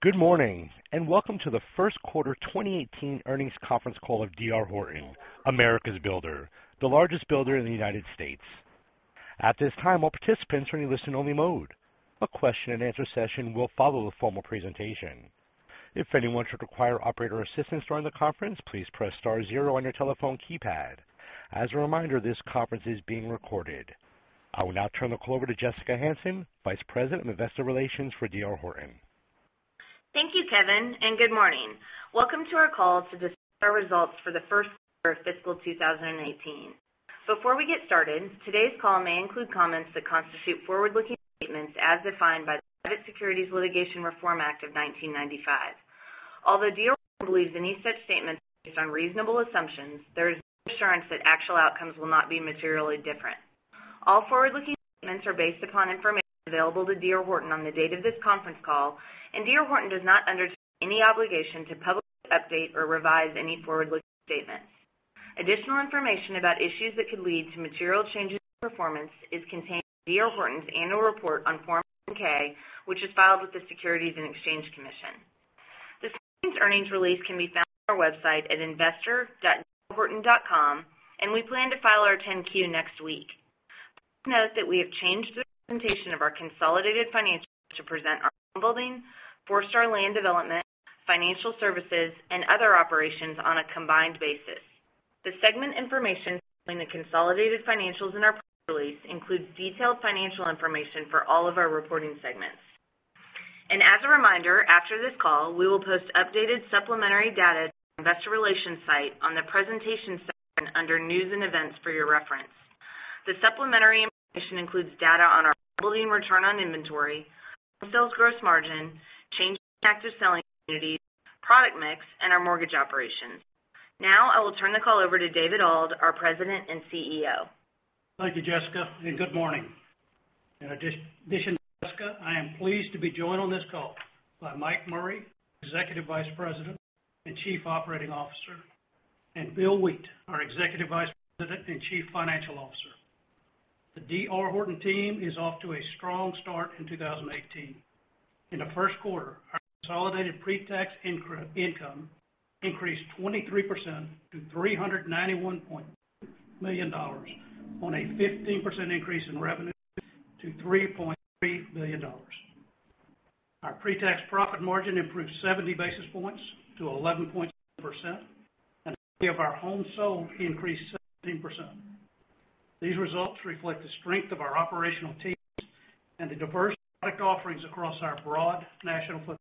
Good morning, welcome to the first quarter 2018 earnings conference call of D.R. Horton, America's builder, the largest builder in the United States. At this time, all participants are in listen-only mode. A question and answer session will follow the formal presentation. If anyone should require operator assistance during the conference, please press star zero on your telephone keypad. As a reminder, this conference is being recorded. I will now turn the call over to Jessica Hansen, Vice President of Investor Relations for D.R. Horton. Thank you, Kevin, good morning. Welcome to our call to discuss our results for the first quarter of fiscal 2018. Before we get started, today's call may include comments that constitute forward-looking statements as defined by the Private Securities Litigation Reform Act of 1995. Although D.R. Horton believes any such statements are based on reasonable assumptions, there is no assurance that actual outcomes will not be materially different. All forward-looking statements are based upon information available to D.R. Horton on the date of this conference call, D.R. Horton does not undertake any obligation to publicly update or revise any forward-looking statements. Additional information about issues that could lead to material changes in performance is contained in D.R. Horton's annual report on Form 10-K, which is filed with the Securities and Exchange Commission. This earnings release can be found on our website at investor.drhorton.com, we plan to file our 10-Q next week. Please note that we have changed the presentation of our consolidated financials to present our home building, Forestar Land Development, Financial Services, and other operations on a combined basis. The segment information following the consolidated financials in our press release includes detailed financial information for all of our reporting segments. As a reminder, after this call, we will post updated supplementary data to our investor relations site on the Presentations section under News & Events for your reference. The supplementary information includes data on our home building return on inventory, home sales gross margin, changes in active selling communities, product mix, and our mortgage operations. Now, I will turn the call over to David Auld, our President and CEO. Thank you, Jessica, good morning. In addition to Jessica, I am pleased to be joined on this call by Mike Murray, Executive Vice President and Chief Operating Officer, and Bill Wheat, our Executive Vice President and Chief Financial Officer. The D.R. Horton team is off to a strong start in 2018. In the first quarter, our consolidated pre-tax income increased 23% to $391.2 million on a 15% increase in revenue to $3.3 billion. Our pre-tax profit margin improved 70 basis points to 11.7%, the volume of our homes sold increased 17%. These results reflect the strength of our operational teams and the diverse product offerings across our broad national footprint.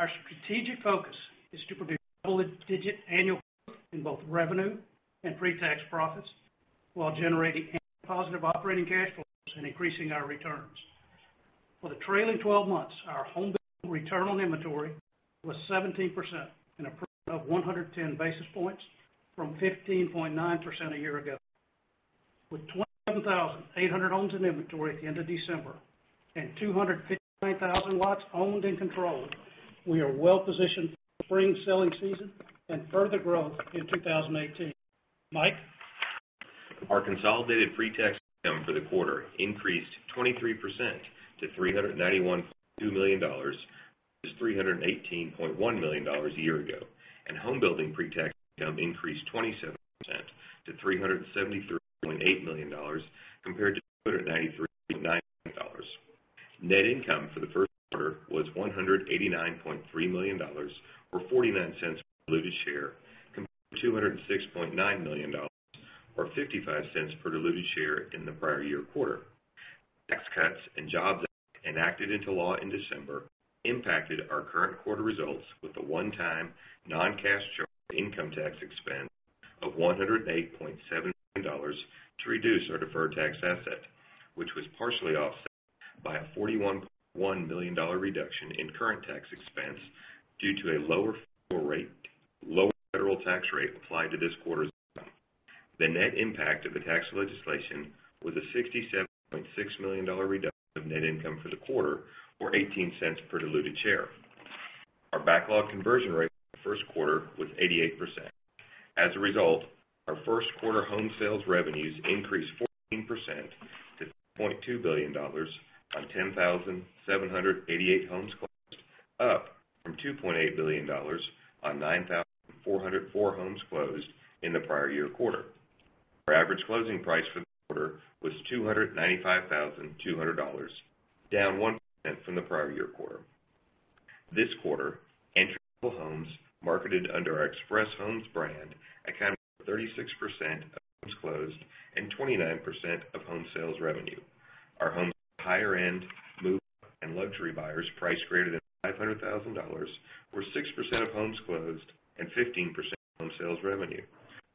Our strategic focus is to produce double-digit annual growth in both revenue and pre-tax profits while generating positive operating cash flows and increasing our returns. For the trailing 12 months, our home building return on inventory was 17%, an improvement of 110 basis points from 15.9% a year ago. With 27,800 homes in inventory at the end of December and 259,000 lots owned and controlled, we are well-positioned for spring selling season and further growth in 2018. Mike? Our consolidated pre-tax income for the quarter increased 23% to $391.2 million versus $318.1 million a year ago, and home building pre-tax income increased 27% to $373.8 million compared to $293.9 million. Net income for the first quarter was $189.3 million or $0.49 per diluted share compared to $206.9 million or $0.55 per diluted share in the prior year quarter. The Tax Cuts and Jobs Act enacted into law in December impacted our current quarter results with a one-time non-cash charge to income tax expense of $108.7 million to reduce our deferred tax asset, which was partially offset by a $41.1 million reduction in current tax expense due to a lower federal tax rate applied to this quarter's income. The net impact of the tax legislation was a $67.6 million reduction of net income for the quarter, or $0.18 per diluted share. Our backlog conversion rate for the first quarter was 88%. As a result, our first quarter home sales revenues increased 14% to $3.2 billion on 10,788 homes closed, up from $2.8 billion on 9,404 homes closed in the prior year quarter. Our average closing price for the quarter was $295,200, down 1% from the prior year quarter. This quarter, entry-level homes marketed under our Express Homes brand accounted for 36% of homes closed and 29% of home sales revenue. Our homes for higher-end, move-up, and luxury buyers priced greater than $500,000 were 6% of homes closed and 15% of home sales revenue.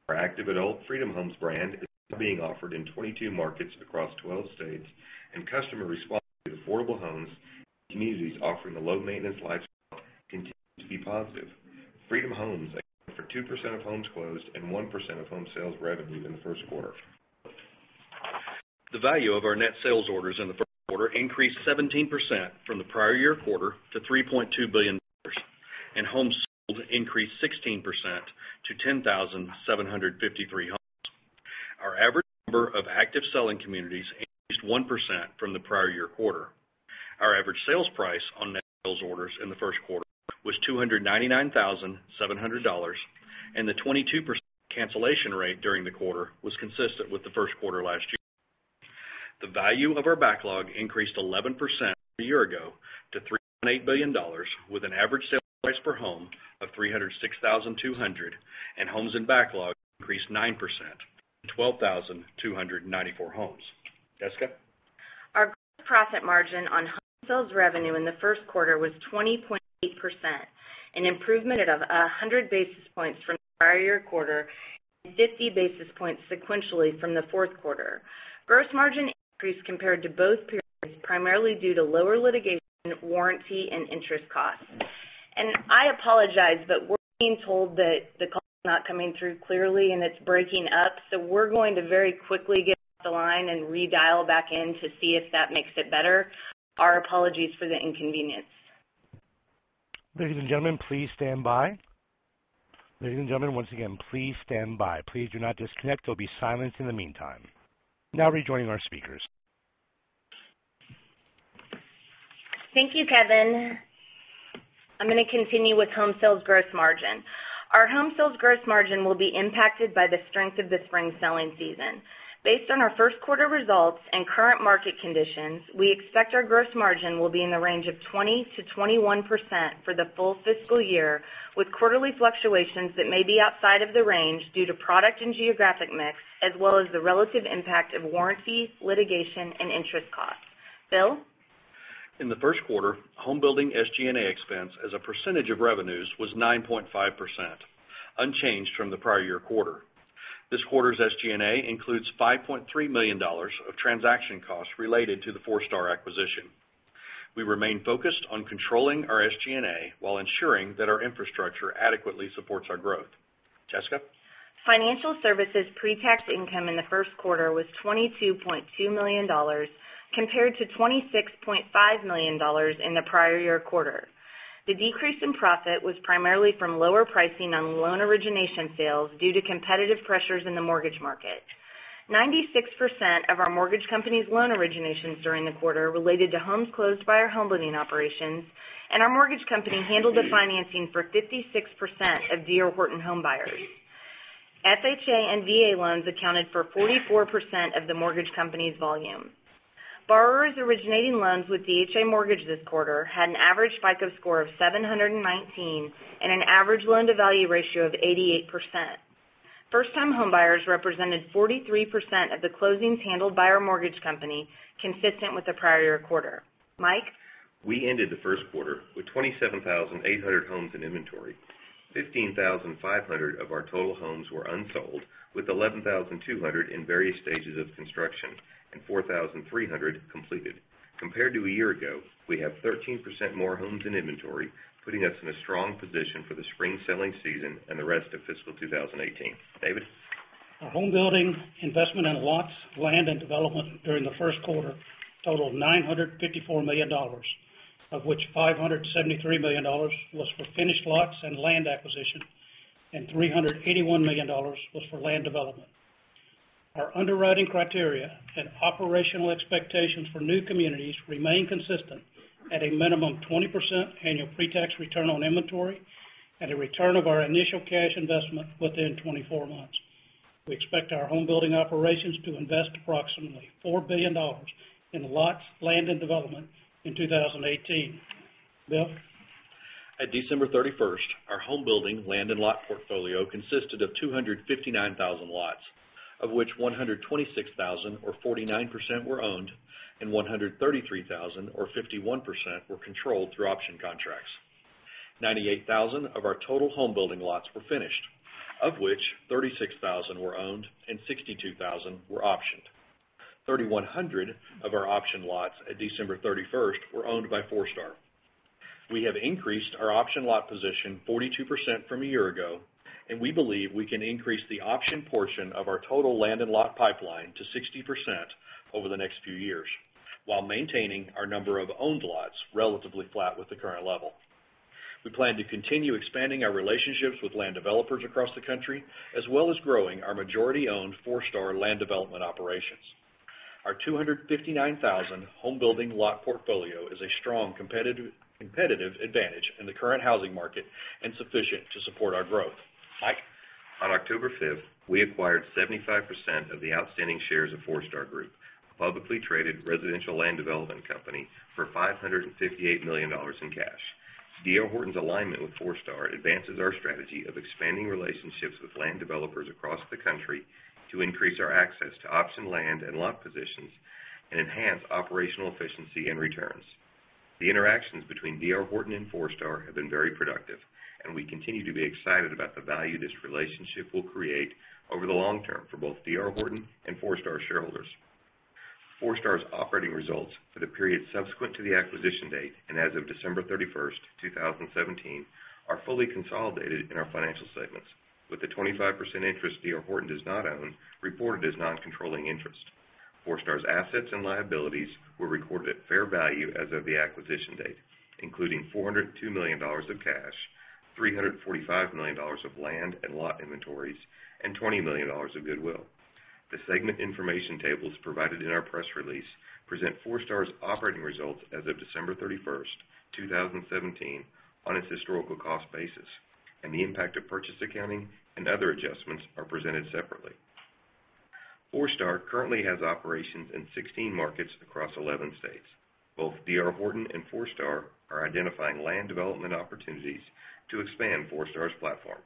Our active adult Freedom Homes brand is now being offered in 22 markets across 12 states, and customer response to affordable homes in communities offering a low-maintenance lifestyle continues to be positive. Freedom Homes accounted for 2% of homes closed and 1% of home sales revenue in the first quarter. The value of our net sales orders in the first quarter increased 17% from the prior year quarter to $3.2 billion, and homes sold increased 16% to 10,753 homes. Our average number of active selling communities increased 1% from the prior year quarter. Our average sales price on net sales orders in the first quarter was $299,700, and the 22% cancellation rate during the quarter was consistent with the first quarter last year. The value of our backlog increased 11% from a year ago to $3.8 billion, with an average sales price per home of $306,200, and homes in backlog increased 9% to 12,294 homes. Jessica? Our gross profit margin on home sales revenue in the first quarter was 20.8%, an improvement of 100 basis points from the prior year quarter and 50 basis points sequentially from the fourth quarter. Gross margin increased compared to both periods, primarily due to lower litigation, warranty, and interest costs. I apologize, but we're being told that the call is not coming through clearly, and it's breaking up, so we're going to very quickly get off the line and redial back in to see if that makes it better. Our apologies for the inconvenience. Ladies and gentlemen, please stand by. Ladies and gentlemen, once again, please stand by. Please do not disconnect. There'll be silence in the meantime. Now rejoining our speakers. Thank you, Kevin. I'm going to continue with home sales gross margin. Our home sales gross margin will be impacted by the strength of the spring selling season. Based on our first quarter results and current market conditions, we expect our gross margin will be in the range of 20%-21% for the full fiscal year, with quarterly fluctuations that may be outside of the range due to product and geographic mix, as well as the relative impact of warranties, litigation, and interest costs. Bill? In the first quarter, homebuilding SG&A expense as a percentage of revenues was 9.5%, unchanged from the prior year quarter. This quarter's SG&A includes $5.3 million of transaction costs related to the Forestar acquisition. We remain focused on controlling our SG&A while ensuring that our infrastructure adequately supports our growth. Jessica? Financial Services pre-tax income in the first quarter was $22.2 million, compared to $26.5 million in the prior year quarter. The decrease in profit was primarily from lower pricing on loan origination sales due to competitive pressures in the mortgage market. 96% of our mortgage company's loan originations during the quarter related to homes closed by our homebuilding operations, and our mortgage company handled the financing for 56% of D.R. Horton home buyers. FHA and VA loans accounted for 44% of the mortgage company's volume. Borrowers originating loans with DHI Mortgage this quarter had an average FICO score of 719 and an average loan-to-value ratio of 88%. First-time homebuyers represented 43% of the closings handled by our mortgage company, consistent with the prior year quarter. Mike? We ended the first quarter with 27,800 homes in inventory. 15,500 of our total homes were unsold, with 11,200 in various stages of construction and 4,300 completed. Compared to a year ago, we have 13% more homes in inventory, putting us in a strong position for the spring selling season and the rest of fiscal 2018. David? Our homebuilding investment in lots, land, and development during the first quarter totaled $954 million, of which $573 million was for finished lots and land acquisition, and $381 million was for land development. Our underwriting criteria and operational expectations for new communities remain consistent at a minimum 20% annual pre-tax return on inventory and a return of our initial cash investment within 24 months. We expect our homebuilding operations to invest approximately $4 billion in lots, land, and development in 2018. Bill? At December 31st, our homebuilding land and lot portfolio consisted of 259,000 lots, of which 126,000 or 49% were owned and 133,000 or 51% were controlled through option contracts. 98,000 of our total homebuilding lots were finished, of which 36,000 were owned and 62,000 were optioned. 3,100 of our option lots at December 31st were owned by Forestar. We have increased our option lot position 42% from a year ago, and we believe we can increase the option portion of our total land and lot pipeline to 60% over the next few years while maintaining our number of owned lots relatively flat with the current level. We plan to continue expanding our relationships with land developers across the country, as well as growing our majority-owned Forestar Land Development operations. Our 259,000 homebuilding lot portfolio is a strong competitive advantage in the current housing market and sufficient to support our growth. Mike? On October 5th, we acquired 75% of the outstanding shares of Forestar Group, a publicly traded residential land development company, for $558 million in cash. D.R. Horton's alignment with Forestar advances our strategy of expanding relationships with land developers across the country to increase our access to option land and lot positions and enhance operational efficiency and returns. The interactions between D.R. Horton and Forestar have been very productive, and we continue to be excited about the value this relationship will create over the long term for both D.R. Horton and Forestar shareholders. Forestar's operating results for the period subsequent to the acquisition date and as of December 31st, 2017, are fully consolidated in our financial segments, with the 25% interest D.R. Horton does not own reported as non-controlling interest. Forestar's assets and liabilities were recorded at fair value as of the acquisition date, including $402 million of cash, $345 million of land and lot inventories, and $20 million of goodwill. The segment information tables provided in our press release present Forestar's operating results as of December 31st, 2017 on its historical cost basis, and the impact of purchase accounting and other adjustments are presented separately. Forestar currently has operations in 16 markets across 11 states. Both D.R. Horton and Forestar are identifying land development opportunities to expand Forestar's platform.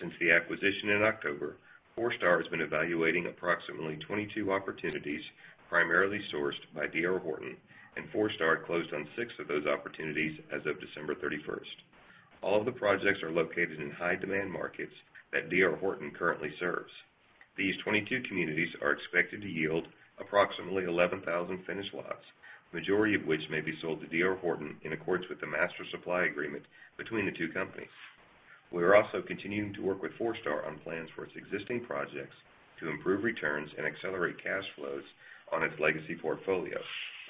Since the acquisition in October, Forestar has been evaluating approximately 22 opportunities, primarily sourced by D.R. Horton, and Forestar closed on six of those opportunities as of December 31st. All of the projects are located in high-demand markets that D.R. Horton currently serves. These 22 communities are expected to yield approximately 11,000 finished lots, majority of which may be sold to D.R. Horton in accordance with the master supply agreement between the two companies. We are also continuing to work with Forestar on plans for its existing projects to improve returns and accelerate cash flows on its legacy portfolio,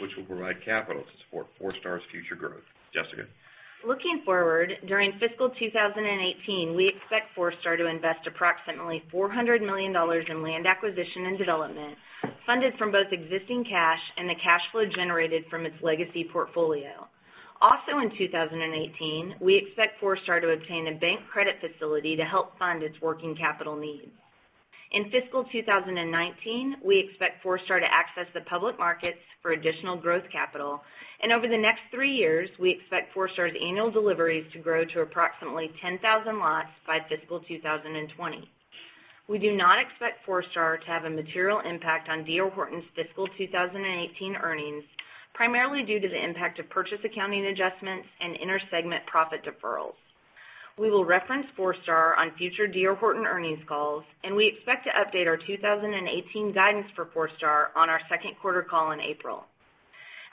which will provide capital to support Forestar's future growth. Jessica? Looking forward, during fiscal 2018, we expect Forestar to invest approximately $400 million in land acquisition and development, funded from both existing cash and the cash flow generated from its legacy portfolio. In 2018, we expect Forestar to obtain a bank credit facility to help fund its working capital needs. In fiscal 2019, we expect Forestar to access the public markets for additional growth capital, and over the next three years, we expect Forestar's annual deliveries to grow to approximately 10,000 lots by fiscal 2020. We do not expect Forestar to have a material impact on D.R. Horton's fiscal 2018 earnings, primarily due to the impact of purchase accounting adjustments and inter-segment profit deferrals. We will reference Forestar on future D.R. Horton earnings calls, and we expect to update our 2018 guidance for Forestar on our second quarter call in April.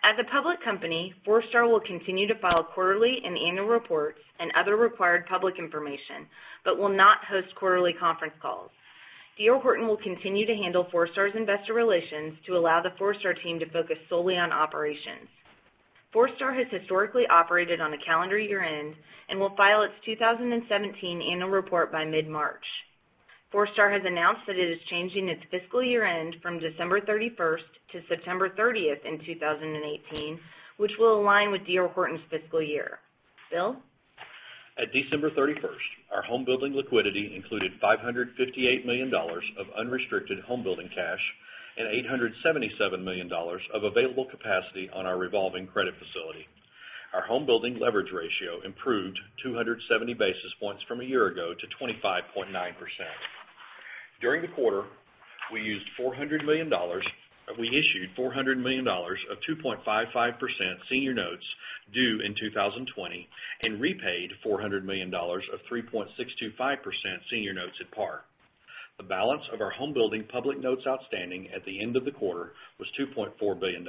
As a public company, Forestar will continue to file quarterly and annual reports and other required public information, but will not host quarterly conference calls. D.R. Horton will continue to handle Forestar's investor relations to allow the Forestar team to focus solely on operations. Forestar has historically operated on a calendar year-end and will file its 2017 annual report by mid-March. Forestar has announced that it is changing its fiscal year-end from December 31st to September 30th in 2018, which will align with D.R. Horton's fiscal year. Bill? At December 31st, our home building liquidity included $558 million of unrestricted home building cash and $877 million of available capacity on our revolving credit facility. Our home building leverage ratio improved 270 basis points from a year ago to 25.9%. During the quarter, we issued $400 million of 2.55% senior notes due in 2020 and repaid $400 million of 3.625% senior notes at par. The balance of our home building public notes outstanding at the end of the quarter was $2.4 billion,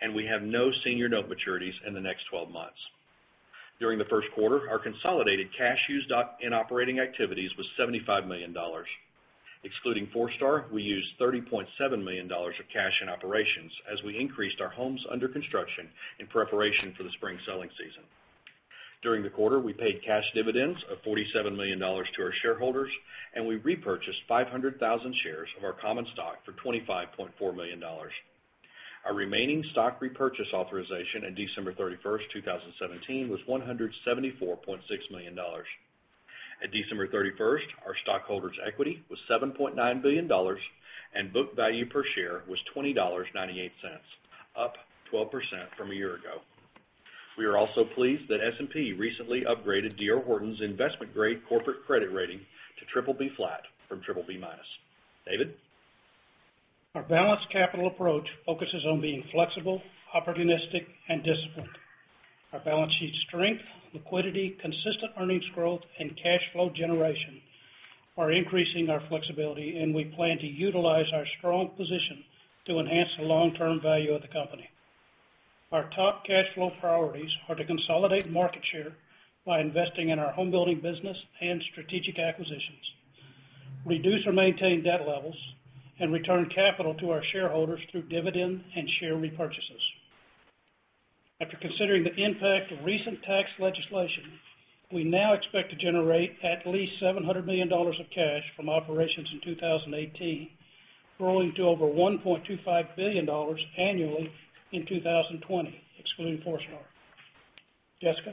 and we have no senior note maturities in the next 12 months. During the first quarter, our consolidated cash used in operating activities was $75 million. Excluding Forestar, we used $30.7 million of cash in operations as we increased our homes under construction in preparation for the spring selling season. During the quarter, we paid cash dividends of $47 million to our shareholders. We repurchased 500,000 shares of our common stock for $25.4 million. Our remaining stock repurchase authorization at December 31st, 2017, was $174.6 million. At December 31st, our stockholders' equity was $7.9 billion, and book value per share was $20.98, up 12% from a year ago. We are also pleased that S&P recently upgraded D.R. Horton's investment-grade corporate credit rating to BBB flat from BBB minus. David? Our balanced capital approach focuses on being flexible, opportunistic, and disciplined. Our balance sheet strength, liquidity, consistent earnings growth, and cash flow generation are increasing our flexibility, and we plan to utilize our strong position to enhance the long-term value of the company. Our top cash flow priorities are to consolidate market share by investing in our home building business and strategic acquisitions, reduce or maintain debt levels, and return capital to our shareholders through dividend and share repurchases. After considering the impact of recent tax legislation, we now expect to generate at least $700 million of cash from operations in 2018, growing to over $1.25 billion annually in 2020, excluding Forestar. Jessica?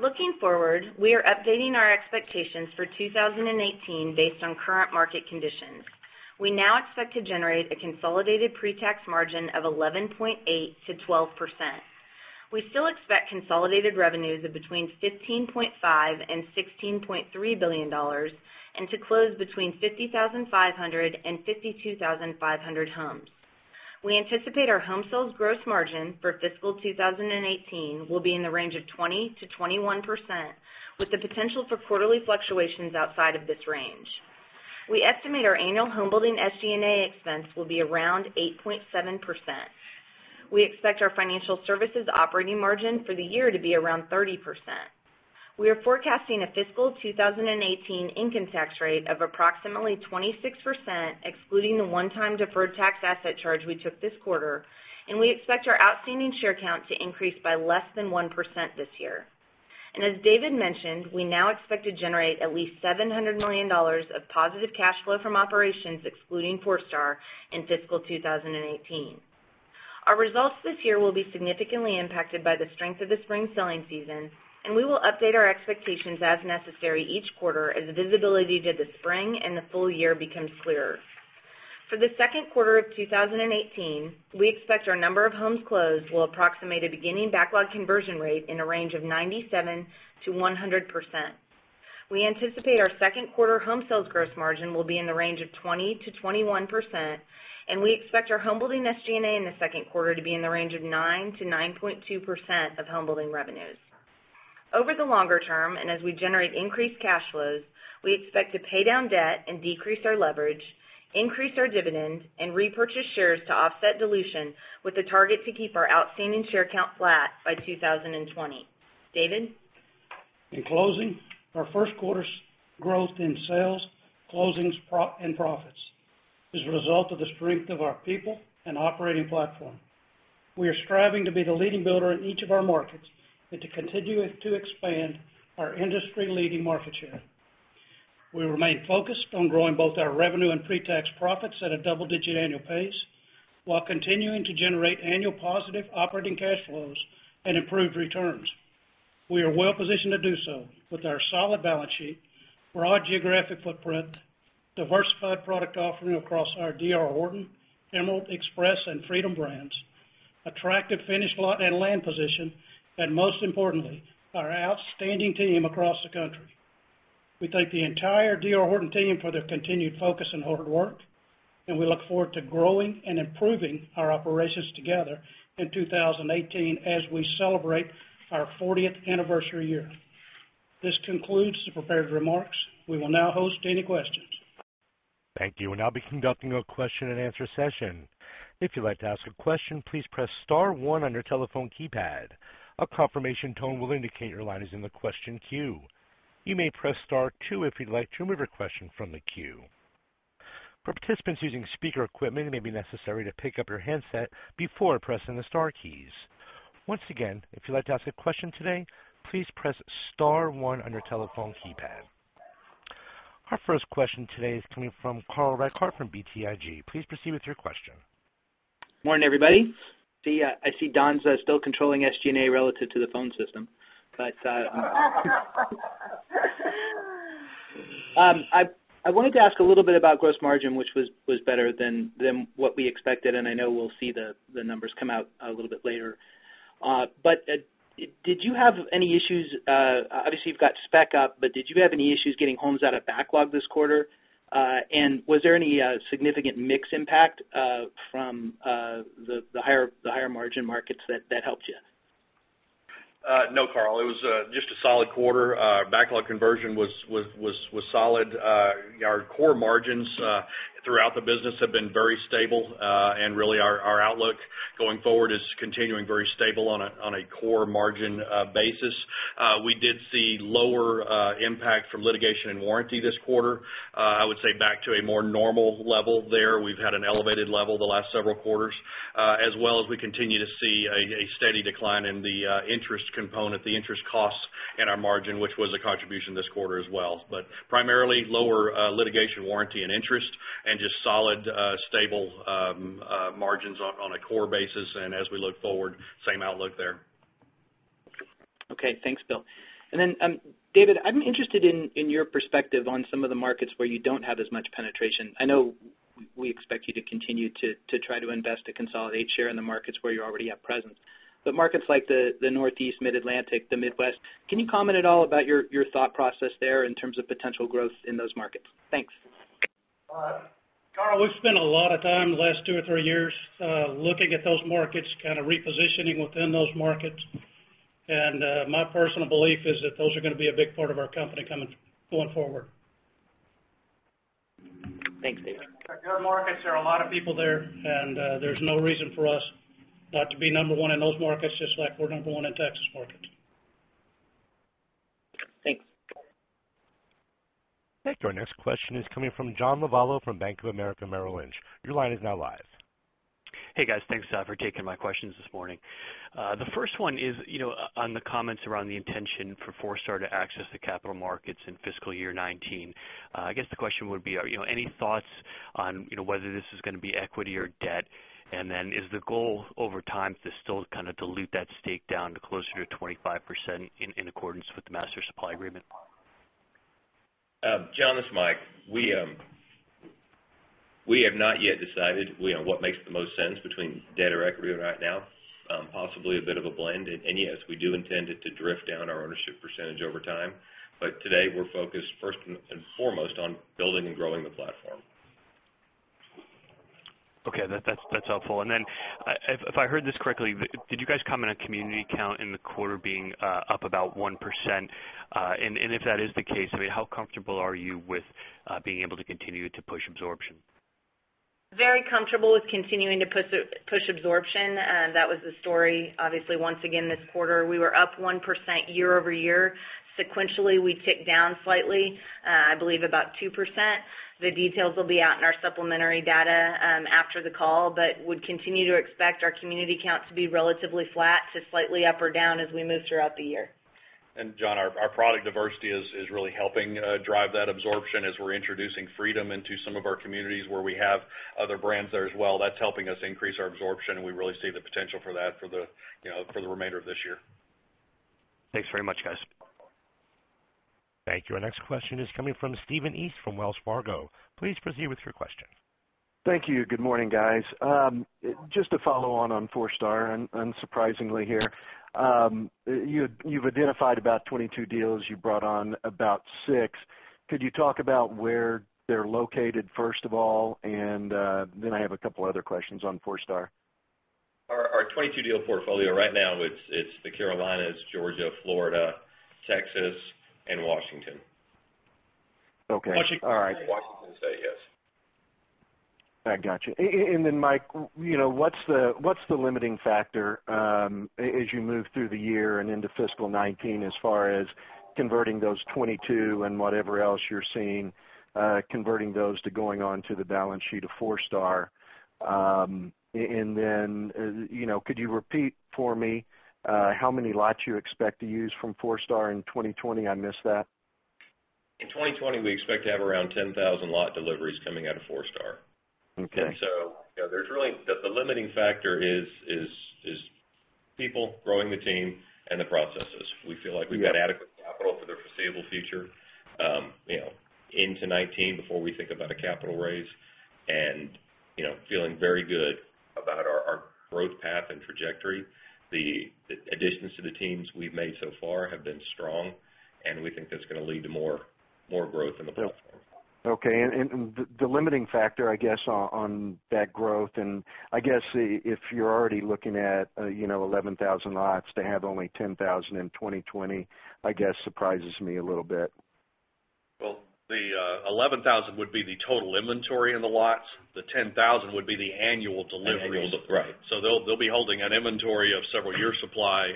Looking forward, we are updating our expectations for 2018 based on current market conditions. We now expect to generate a consolidated pretax margin of 11.8%-12%. We still expect consolidated revenues of between $15.5 billion and $16.3 billion, and to close between 50,500 and 52,500 homes. We anticipate our home sales gross margin for fiscal 2018 will be in the range of 20%-21%, with the potential for quarterly fluctuations outside of this range. We estimate our annual home building SG&A expense will be around 8.7%. We expect our Financial Services operating margin for the year to be around 30%. We are forecasting a fiscal 2018 income tax rate of approximately 26%, excluding the one-time deferred tax asset charge we took this quarter, and we expect our outstanding share count to increase by less than 1% this year. As David mentioned, we now expect to generate at least $700 million of positive cash flow from operations excluding Forestar in fiscal 2018. Our results this year will be significantly impacted by the strength of the spring selling season, and we will update our expectations as necessary each quarter as visibility to the spring and the full year becomes clearer. For the second quarter of 2018, we expect our number of homes closed will approximate a beginning backlog conversion rate in a range of 97%-100%. We anticipate our second quarter home sales gross margin will be in the range of 20%-21%, and we expect our homebuilding SG&A in the second quarter to be in the range of 9%-9.2% of homebuilding revenues. As we generate increased cash flows, we expect to pay down debt and decrease our leverage, increase our dividend, and repurchase shares to offset dilution with the target to keep our outstanding share count flat by 2020. David? In closing, our first quarter's growth in sales, closings, and profits is a result of the strength of our people and operating platform. We are striving to be the leading builder in each of our markets and to continue to expand our industry-leading market share. We remain focused on growing both our revenue and pre-tax profits at a double-digit annual pace while continuing to generate annual positive operating cash flows and improved returns. We are well-positioned to do so with our solid balance sheet, broad geographic footprint, diversified product offering across our D.R. Horton, Emerald Homes, and Freedom Homes brands, attractive finished lot and land position, and most importantly, our outstanding team across the country. We thank the entire D.R. Horton team for their continued focus and hard work. We look forward to growing and improving our operations together in 2018 as we celebrate our 40th anniversary year. This concludes the prepared remarks. We will now host any questions. Thank you. We'll now be conducting a question and answer session. If you'd like to ask a question, please press *1 on your telephone keypad. A confirmation tone will indicate your line is in the question queue. You may press *2 if you'd like to remove your question from the queue. For participants using speaker equipment, it may be necessary to pick up your handset before pressing the star keys. Once again, if you'd like to ask a question today, please press *1 on your telephone keypad. Our first question today is coming from Carl Reichardt from BTIG. Please proceed with your question. Morning, everybody. I see Don's still controlling SG&A relative to the phone system. I wanted to ask a little bit about gross margin, which was better than what we expected, and I know we'll see the numbers come out a little bit later. Did you have any issues? Obviously, you've got spec up, did you have any issues getting homes out of backlog this quarter? Was there any significant mix impact from the higher margin markets that helped you? No, Carl, it was just a solid quarter. Backlog conversion was solid. Our core margins throughout the business have been very stable. Really our outlook going forward is continuing very stable on a core margin basis. We did see lower impact from litigation and warranty this quarter. I would say back to a more normal level there. We've had an elevated level the last several quarters, as well as we continue to see a steady decline in the interest component, the interest costs in our margin, which was a contribution this quarter as well, primarily lower litigation warranty and interest and just solid, stable margins on a core basis. As we look forward, same outlook there. Okay. Thanks, Bill. David, I'm interested in your perspective on some of the markets where you don't have as much penetration. I know we expect you to continue to try to invest to consolidate share in the markets where you already have presence. Markets like the Northeast, Mid-Atlantic, the Midwest, can you comment at all about your thought process there in terms of potential growth in those markets? Thanks. Carl, we've spent a lot of time the last two or three years looking at those markets, kind of repositioning within those markets, my personal belief is that those are going to be a big part of our company going forward. Thanks, David. They're good markets. There are a lot of people there's no reason for us not to be number one in those markets, just like we're number one in Texas markets. Thanks. Thank you. Our next question is coming from John Lovallo from Bank of America Merrill Lynch. Your line is now live. Hey, guys. Thanks for taking my questions this morning. The first one is on the comments around the intention for Forestar to access the capital markets in fiscal year 2019. I guess the question would be, any thoughts on whether this is going to be equity or debt? Then is the goal over time to still kind of dilute that stake down to closer to 25% in accordance with the master supply agreement? John, this is Mike. We have not yet decided what makes the most sense between debt or equity right now. Possibly a bit of a blend. Yes, we do intend to drift down our ownership percentage over time. Today we're focused first and foremost on building and growing the platform. Okay. That's helpful. Then if I heard this correctly, did you guys comment on community count in the quarter being up about 1%? If that is the case, how comfortable are you with being able to continue to push absorption? Very comfortable with continuing to push absorption. That was the story, obviously, once again, this quarter. We were up 1% year-over-year. Sequentially, we ticked down slightly, I believe about 2%. The details will be out in our supplementary data after the call, would continue to expect our community count to be relatively flat to slightly up or down as we move throughout the year. John, our product diversity is really helping drive that absorption as we're introducing Freedom into some of our communities where we have other brands there as well. That's helping us increase our absorption, we really see the potential for that for the remainder of this year. Thanks very much, guys. Thank you. Our next question is coming from Stephen East from Wells Fargo. Please proceed with your question. Thank you. Good morning, guys. Just to follow on on Forestar, unsurprisingly here. You've identified about 22 deals, you brought on about six. Could you talk about where they're located, first of all, and then I have a couple other questions on Forestar. Our 22-deal portfolio right now, it's the Carolinas, Georgia, Florida, Texas, and Washington. Okay. All right. Washington state, yes. I got you. Mike, what's the limiting factor as you move through the year and into fiscal 2019, as far as converting those 22 and whatever else you're seeing, converting those to going onto the balance sheet of Forestar? Could you repeat for me how many lots you expect to use from Forestar in 2020? I missed that. In 2020, we expect to have around 10,000 lot deliveries coming out of Forestar. Okay. The limiting factor is people, growing the team, and the processes. We feel like we've got adequate capital for the foreseeable future into 2019 before we think about a capital raise, and feeling very good about our growth path and trajectory. The additions to the teams we've made so far have been strong, and we think that's going to lead to more growth in the platform. Okay. The limiting factor, I guess, on that growth, and I guess if you're already looking at 11,000 lots to have only 10,000 in 2020, I guess surprises me a little bit. Well, the 11,000 would be the total inventory in the lots. The 10,000 would be the annual deliveries. Annual, right. They'll be holding an inventory of several years' supply,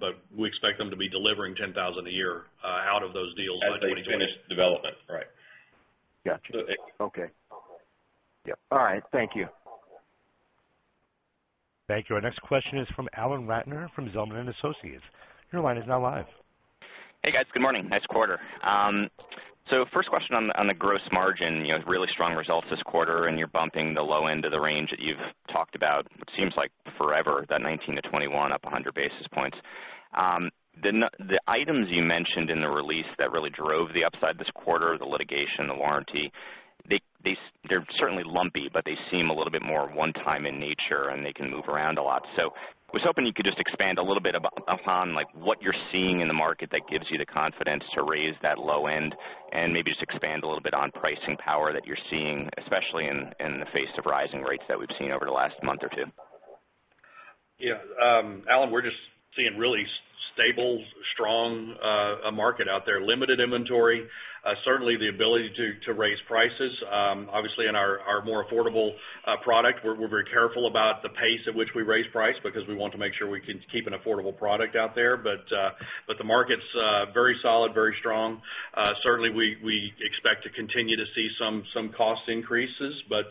but we expect them to be delivering 10,000 a year out of those deals by 2020. As they finish development, right. Got you. Okay. Yep. All right. Thank you. Thank you. Our next question is from Alan Ratner from Zelman & Associates. Your line is now live. Hey, guys. Good morning. Nice quarter. First question on the gross margin, really strong results this quarter, and you're bumping the low end of the range that you've talked about, it seems like forever, that 19%-21% up 100 basis points. The items you mentioned in the release that really drove the upside this quarter, the litigation, the warranty, they're certainly lumpy, but they seem a little bit more one-time in nature, and they can move around a lot. I was hoping you could just expand a little bit upon what you're seeing in the market that gives you the confidence to raise that low end, and maybe just expand a little bit on pricing power that you're seeing, especially in the face of rising rates that we've seen over the last month or two. Yeah. Alan, we're just seeing really stable, strong market out there. Limited inventory. Certainly, the ability to raise prices. Obviously, in our more affordable product, we're very careful about the pace at which we raise price because we want to make sure we can keep an affordable product out there. The market's very solid, very strong. Certainly, we expect to continue to see some cost increases, but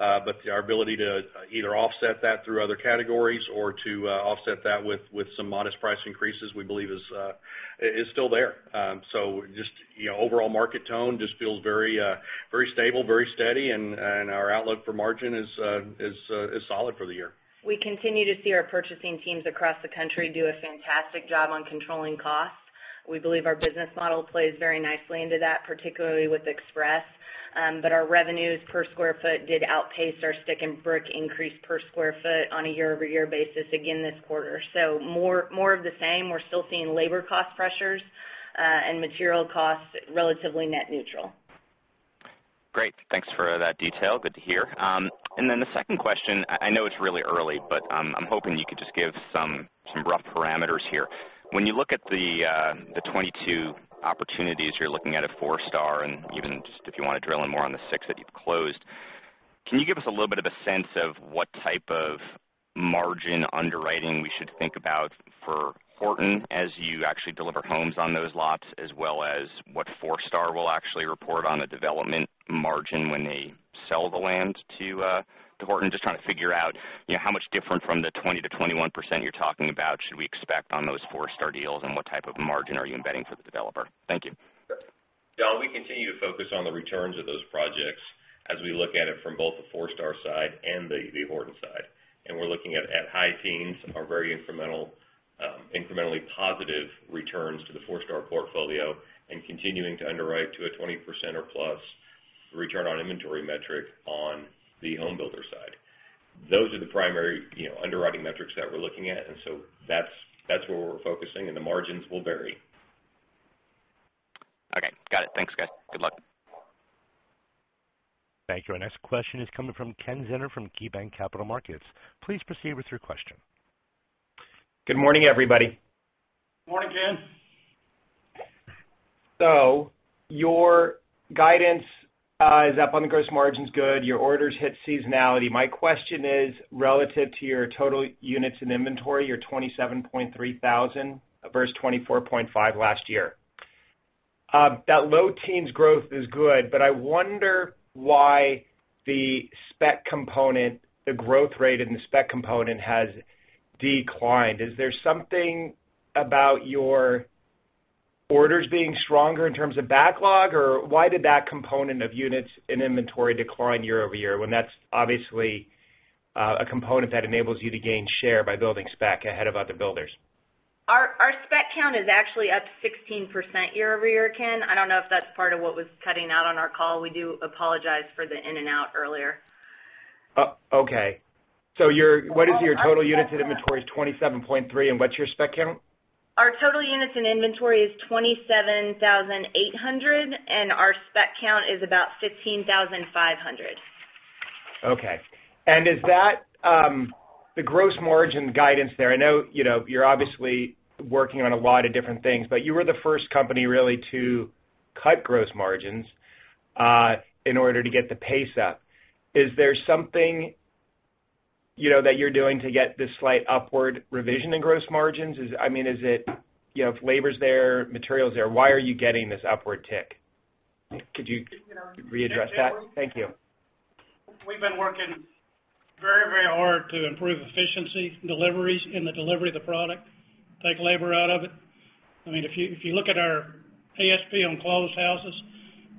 our ability to either offset that through other categories or to offset that with some modest price increases, we believe is still there. Just overall market tone just feels very stable, very steady, and our outlook for margin is solid for the year. We continue to see our purchasing teams across the country do a fantastic job on controlling costs. We believe our business model plays very nicely into that, particularly with Express. Our revenues per square foot did outpace our stick and brick increase per square foot on a year-over-year basis again this quarter. More of the same. We're still seeing labor cost pressures, and material costs relatively net neutral. Great. Thanks for that detail. Good to hear. The second question, I know it's really early, but I'm hoping you could just give some rough parameters here. When you look at the 22 opportunities you're looking at at Forestar, and even just if you want to drill in more on the six that you've closed, can you give us a little bit of a sense of what type of margin underwriting we should think about for Horton as you actually deliver homes on those lots, as well as what Forestar will actually report on the development margin when they sell the land to Horton? Just trying to figure out how much different from the 20%-21% you're talking about should we expect on those Forestar deals, and what type of margin are you embedding for the developer? Thank you. Alan, we continue to focus on the returns of those projects as we look at it from both the Forestar side and the Horton side. We're looking at high teens are very incrementally positive returns to the Forestar portfolio and continuing to underwrite to a 20% or plus return on inventory metric on the home builder side. Those are the primary underwriting metrics that we're looking at, and so that's where we're focusing, and the margins will vary. Okay. Got it. Thanks, guys. Good luck. Thank you. Our next question is coming from Ken Zener from KeyBanc Capital Markets. Please proceed with your question. Good morning, everybody. Morning, Ken. Your guidance is up on the gross margins, good. Your orders hit seasonality. My question is, relative to your total units in inventory, your 27,300 versus 24.5 last year. That low teens growth is good, but I wonder why the growth rate in the spec component has declined. Is there something about your orders being stronger in terms of backlog, or why did that component of units in inventory decline year-over-year when that's obviously a component that enables you to gain share by building spec ahead of other builders? Our spec count is actually up 16% year-over-year, Ken. I don't know if that's part of what was cutting out on our call. We do apologize for the in and out earlier. Okay. What is your total units in inventory? 27.3, and what's your spec count? Our total units in inventory is 27,800, and our spec count is about 15,500. Okay. The gross margin guidance there, I know you're obviously working on a lot of different things, but you were the first company really to cut gross margins, in order to get the pace up. Is there something that you're doing to get this slight upward revision in gross margins? If labor's there, material's there, why are you getting this upward tick? Could you readdress that? Thank you. We've been working very hard to improve efficiency in the delivery of the product, take labor out of it. If you look at our ASP on closed houses,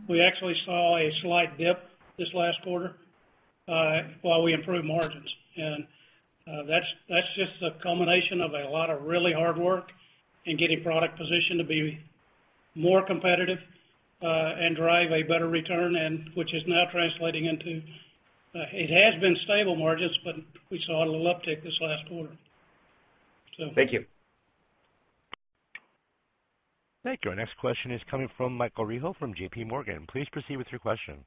we actually saw a slight dip this last quarter, while we improved margins. That's just a combination of a lot of really hard work in getting product positioned to be more competitive, and drive a better return. It has been stable margins, but we saw a little uptick this last quarter. Thank you. Thank you. Our next question is coming from Michael Rehaut from JPMorgan. Please proceed with your question.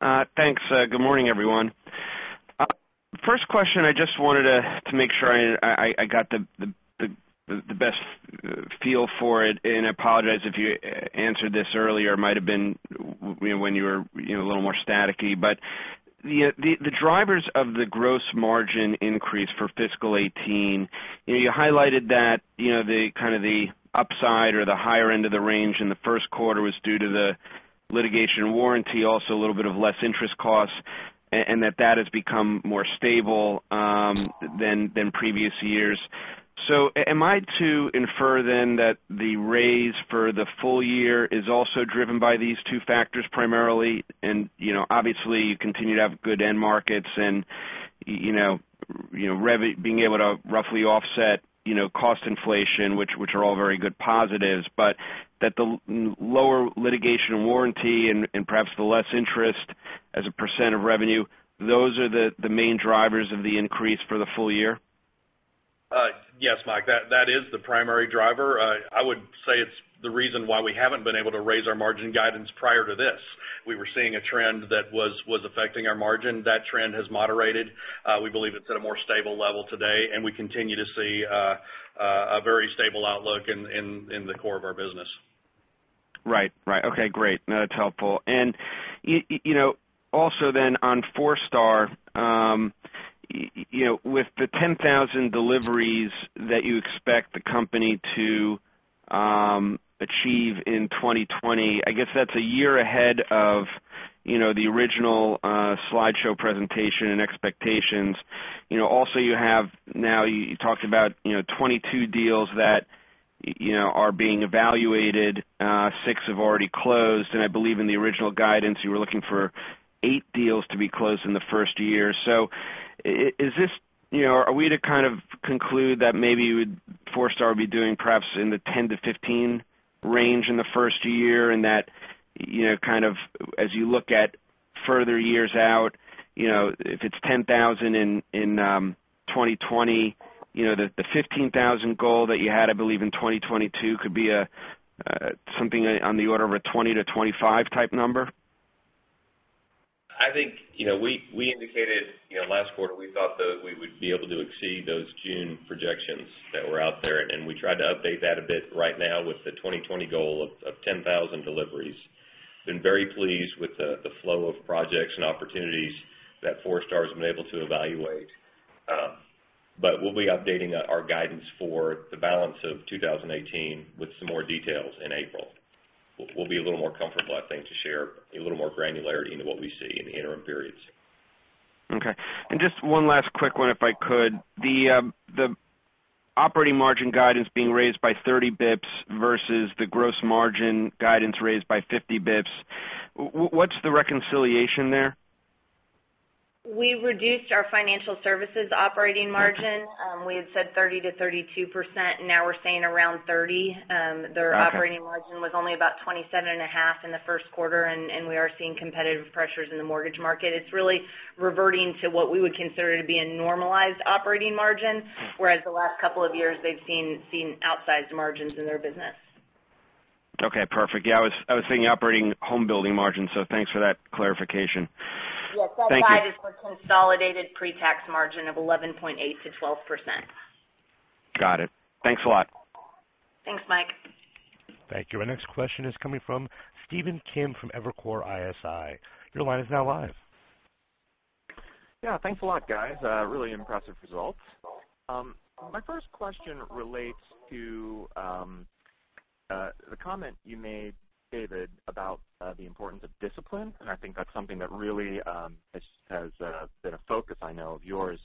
Thanks. Good morning, everyone. First question, I just wanted to make sure I got the best feel for it. I apologize if you answered this earlier. It might've been when you were a little more staticky. The drivers of the gross margin increase for fiscal 2018, you highlighted that the upside or the higher end of the range in the first quarter was due to the litigation warranty, also a little bit of less interest costs, and that that has become more stable than previous years. Am I to infer then that the raise for the full year is also driven by these two factors primarily? Obviously you continue to have good end markets and being able to roughly offset cost inflation, which are all very good positives. That the lower litigation and warranty and perhaps the less interest as a % of revenue, those are the main drivers of the increase for the full year? Yes, Mike, that is the primary driver. I would say it's the reason why we haven't been able to raise our margin guidance prior to this. We were seeing a trend that was affecting our margin. That trend has moderated. We believe it's at a more stable level today, we continue to see a very stable outlook in the core of our business. Okay, great. That's helpful. Also then on Forestar, with the 10,000 deliveries that you expect the company to achieve in 2020, I guess that's a year ahead of the original slideshow presentation and expectations. Now you talked about 22 deals that are being evaluated. Six have already closed, and I believe in the original guidance, you were looking for eight deals to be closed in the first year. Are we to conclude that maybe Forestar would be doing perhaps in the 10-15 range in the first year, and that as you look at further years out, if it's 10,000 in 2020, the 15,000 goal that you had, I believe in 2022 could be something on the order of a 20-25 type number? We indicated last quarter we thought that we would be able to exceed those June projections that were out there, and we tried to update that a bit right now with the 2020 goal of 10,000 deliveries. Been very pleased with the flow of projects and opportunities that Forestar has been able to evaluate. We'll be updating our guidance for the balance of 2018 with some more details in April. We'll be a little more comfortable, I think, to share a little more granularity into what we see in the interim periods. Okay. Just one last quick one, if I could. The operating margin guidance being raised by 30 basis points versus the gross margin guidance raised by 50 basis points, what's the reconciliation there? We reduced our Financial Services operating margin. We had said 30%-32%, now we're saying around 30%. Okay. Their operating margin was only about 27.5% in the first quarter, and we are seeing competitive pressures in the mortgage market. It's really reverting to what we would consider to be a normalized operating margin, whereas the last couple of years they've seen outsized margins in their business. Okay, perfect. Yeah, I was thinking operating home building margin, so thanks for that clarification. Yes. Thank you. Slide five is the consolidated pre-tax margin of 11.8%-12%. Got it. Thanks a lot. Thanks, Mike. Thank you. Our next question is coming from Stephen Kim from Evercore ISI. Your line is now live. Thanks a lot, guys. Really impressive results. My first question relates to the comment you made, David, about the importance of discipline, and I think that's something that really has been a focus, I know, of yours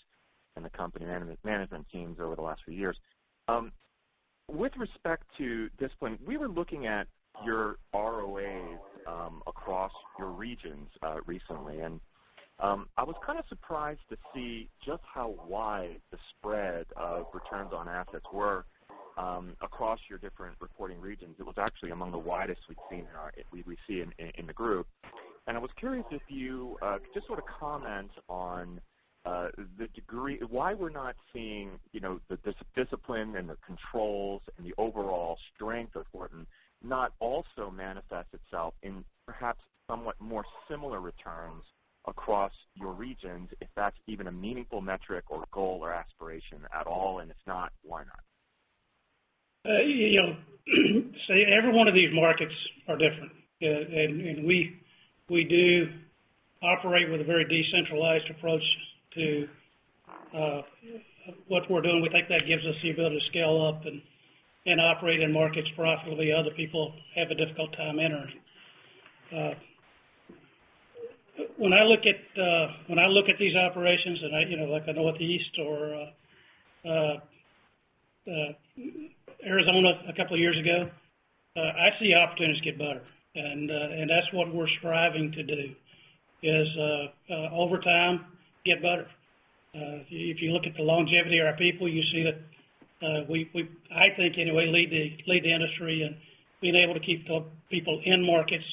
and the company management teams over the last few years. With respect to discipline, we were looking at your ROAs across your regions recently, and I was kind of surprised to see just how wide the spread of returns on assets were across your different reporting regions. It was actually among the widest we see in the group. I was curious if you could just sort of comment on why we're not seeing the discipline and the controls and the overall strength of Horton not also manifest itself in perhaps somewhat more similar returns across your regions, if that's even a meaningful metric or goal or aspiration at all, and if not, why not? Every one of these markets are different. We do operate with a very decentralized approach to what we're doing. We think that gives us the ability to scale up and operate in markets profitably other people have a difficult time entering. When I look at these operations, like the Northeast or Arizona a couple of years ago, I see opportunities get better. That's what we're striving to do is, over time, get better. If you look at the longevity of our people, you see that we, I think anyway, lead the industry in being able to keep people in markets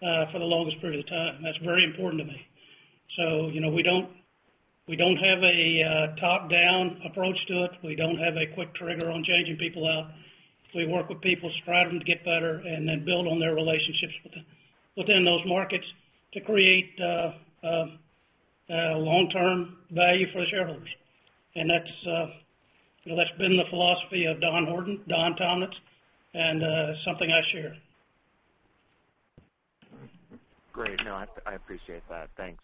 for the longest period of time. That's very important to me. We don't have a top-down approach to it. We don't have a quick trigger on changing people out. We work with people, strive them to get better, and then build on their relationships within those markets to create long-term value for the shareholders. That's been the philosophy of Don Horton, Don Tomnitz, and something I share. Great. No, I appreciate that. Thanks.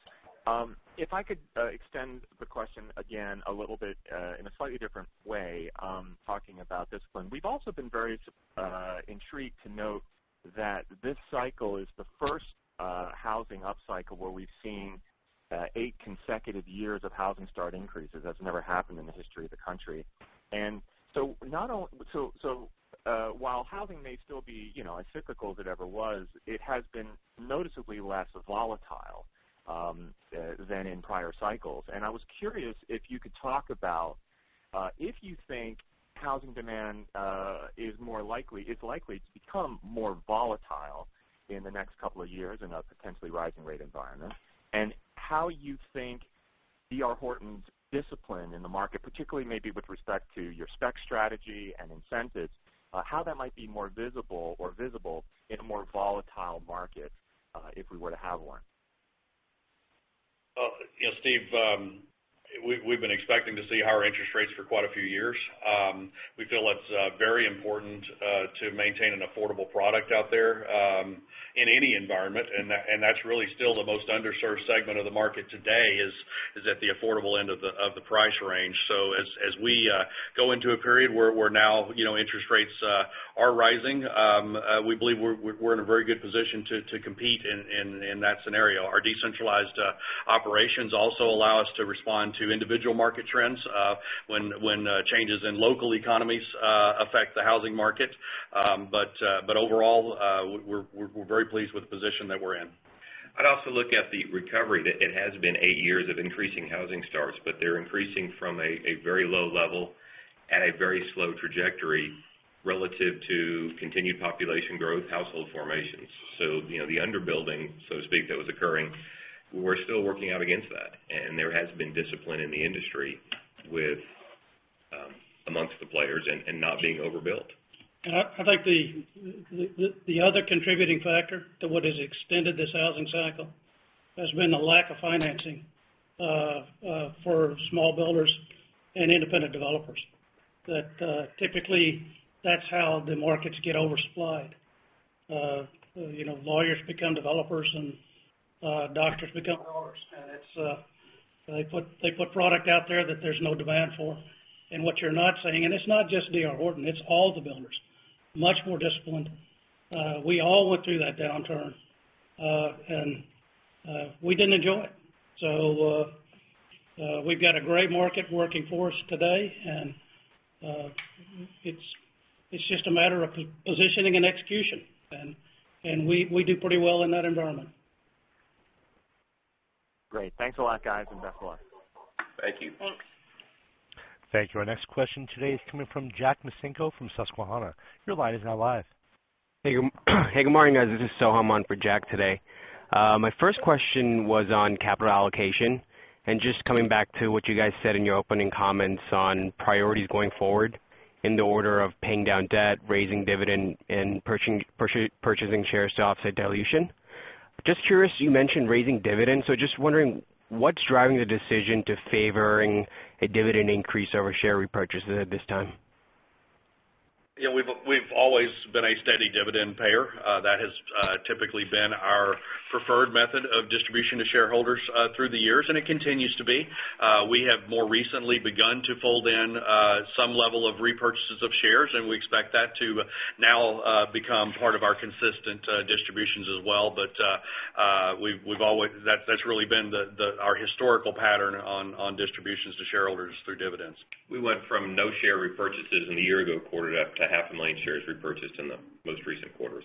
If I could extend the question again a little bit in a slightly different way, talking about discipline. We've also been very intrigued to note that this cycle is the first housing upcycle where we've seen eight consecutive years of housing start increases. That's never happened in the history of the country. While housing may still be as cyclical as it ever was, it has been noticeably less volatile than in prior cycles. I was curious if you could talk about if you think housing demand is likely to become more volatile in the next couple of years in a potentially rising rate environment, and how you think D.R. Horton's discipline in the market, particularly maybe with respect to your spec strategy and incentives, how that might be more visible or visible in a more volatile market if we were to have one. Well, Steve, we've been expecting to see higher interest rates for quite a few years. We feel it's very important to maintain an affordable product out there in any environment, and that's really still the most underserved segment of the market today, is at the affordable end of the price range. As we go into a period where now interest rates are rising, we believe we're in a very good position to compete in that scenario. Our decentralized operations also allow us to respond to individual market trends when changes in local economies affect the housing market. Overall, we're very pleased with the position that we're in. I'd also look at the recovery. That it has been eight years of increasing housing starts, but they're increasing from a very low level at a very slow trajectory relative to continued population growth, household formations. The under-building, so to speak, that was occurring, we're still working out against that, there has been discipline in the industry amongst the players and not being overbuilt. I think the other contributing factor to what has extended this housing cycle has been the lack of financing for small builders and independent developers. That typically that's how the markets get oversupplied. Lawyers become developers and doctors become developers, and they put product out there that there's no demand for. What you're not seeing, and it's not just D.R. Horton, it's all the builders, much more disciplined. We all went through that downturn. We didn't enjoy it. We've got a great market working for us today, and it's just a matter of positioning and execution, and we do pretty well in that environment. Great. Thanks a lot, guys, and best of luck. Thank you. Thanks. Thank you. Our next question today is coming from Jack Micenko from Susquehanna. Your line is now live. Hey, good morning, guys. This is Soham on for Jack today. My first question was on capital allocation and just coming back to what you guys said in your opening comments on priorities going forward in the order of paying down debt, raising dividend, and purchasing shares to offset dilution. Just curious, you mentioned raising dividends. Just wondering, what's driving the decision to favoring a dividend increase over share repurchases at this time? Yeah, we've always been a steady dividend payer. That has typically been our preferred method of distribution to shareholders through the years. It continues to be. We have more recently begun to fold in some level of repurchases of shares. We expect that to now become part of our consistent distributions as well. That's really been our historical pattern on distributions to shareholders through dividends. We went from no share repurchases in the year-ago quarter to half a million shares repurchased in the most recent quarter.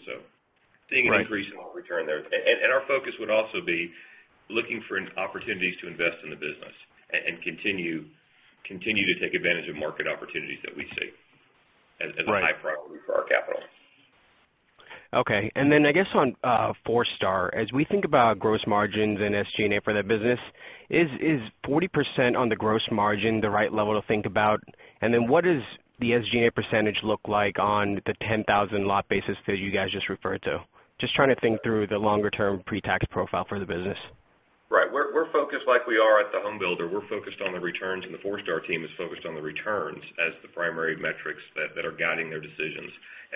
Seeing an incremental return there. Our focus would also be looking for opportunities to invest in the business and continue to take advantage of market opportunities that we see as a high priority for our capital. Okay, I guess on Forestar, as we think about gross margins and SG&A for that business, is 40% on the gross margin the right level to think about? What does the SG&A percentage look like on the 10,000 lot basis that you guys just referred to? Just trying to think through the longer-term pre-tax profile for the business. Right. We're focused like we are at the home builder. We're focused on the returns. The Forestar team is focused on the returns as the primary metrics that are guiding their decisions.